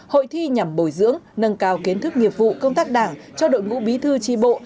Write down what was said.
hội thi nhằm bồi dưỡng nâng cao kiến thức nghiệp vụ công tác đảng cho đội ngũ bí thư tri bộ